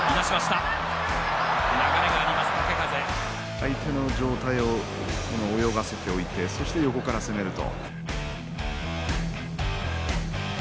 相手の上体を泳がせておいてそして横から攻めると。